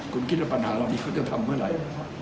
คุณคิดว่าปัญหาแนบเขาจะทำเมื่อไหน